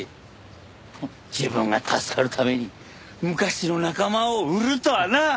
自分が助かるために昔の仲間を売るとはな！